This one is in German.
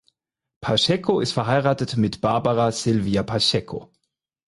Pacheco ist verheiratet mit Barbara (Sylvia) Pacheco.